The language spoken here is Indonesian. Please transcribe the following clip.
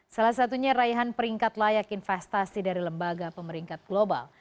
salah satunya raihan peringkat layak investasi dari lembaga pemeringkat global